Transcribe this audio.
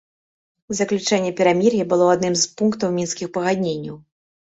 Заключэнне перамір'я было адным з пунктаў мінскіх пагадненняў.